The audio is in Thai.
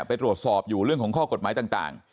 ไปตรวจสอบอยู่เรื่องของข้อกฎหมายต่าง